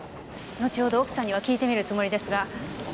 後ほど奥さんには聞いてみるつもりですが。